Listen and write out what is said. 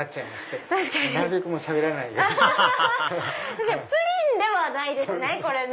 確かにプリンではないですね